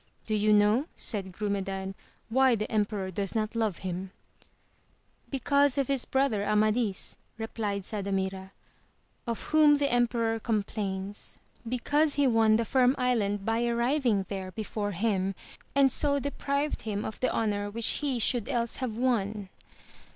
Do you know, said Grumedan, why the emperor does not love him ?— Because of his brother Amadis, replied Sardamira, of whom the emperor complains, because he won the Firm Island by arriving there before him, and so deprived him of the honour which he should else have won.